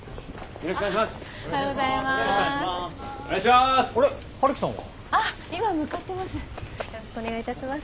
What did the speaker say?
よろしくお願いします！